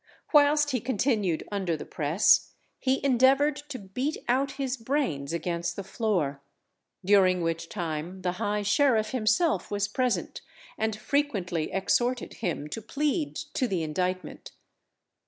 Whilst he continued under the press, he endeavoured to beat out his brains against the floor, during which time the High Sheriff himself was present, and frequently exhorted him to plead to the indictment.